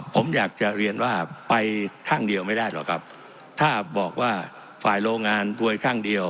ผมอยากจะเรียนว่าไปข้างเดียวไม่ได้หรอกครับถ้าบอกว่าฝ่ายโรงงานรวยข้างเดียว